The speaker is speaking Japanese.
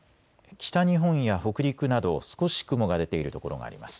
北日本や北陸など少し雲が出ている所があります。